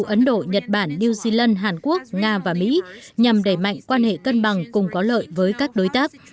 ấn độ nhật bản new zealand hàn quốc nga và mỹ nhằm đẩy mạnh quan hệ cân bằng cùng có lợi với các đối tác